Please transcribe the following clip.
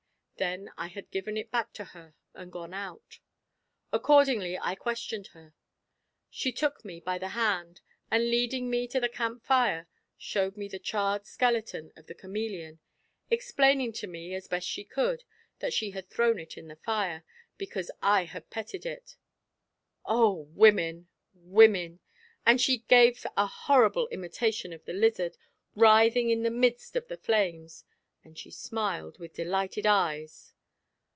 Then I had given it back to her and gone out. Accordingly I questioned her. She took me by the hand, and leading me to the camp fire, showed me the charred skeleton of the chameleon, explaining to me, as best she could, that she had thrown it in the fire, because I had petted it! Oh! women! women! And she gave a horrible imitation of the lizard, writhing in the midst of the flames, and she smiled with delighted eyes.